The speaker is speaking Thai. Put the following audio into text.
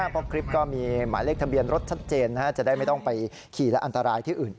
เพราะคลิปก็มีหมายเลขทะเบียนรถชัดเจนนะ